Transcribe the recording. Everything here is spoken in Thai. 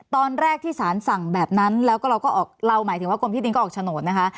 ตอนแรกที่สารสั่งแบบนั้นแล้วก็เราก็ออกเราหมายถึงว่ากรมที่ดินก็ออกโฉนดนะคะ